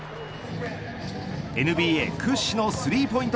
ＮＢＡ屈指のスリーポイント